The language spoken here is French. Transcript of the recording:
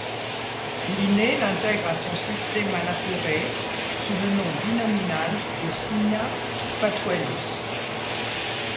Linné l'intègre à son Systema Naturae sous le nom binominal de Simia fatuellus.